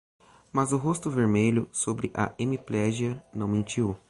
Mas o rosto vermelho, sobre a hemiplegia, não mentiu.